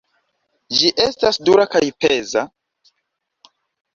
Ĝi estas dura kaj peza.